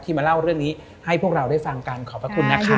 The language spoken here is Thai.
มาเล่าเรื่องนี้ให้พวกเราได้ฟังกันขอบพระคุณนะคะ